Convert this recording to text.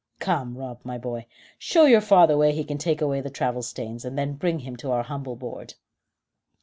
Come, Rob, my boy, show your father where he can take away the travel stains, and then bring him to our humble board."